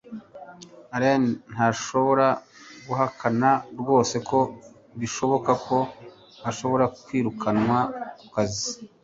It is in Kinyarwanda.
alain ntashobora guhakana rwose ko bishoboka ko ashobora kwirukanwa ku kazi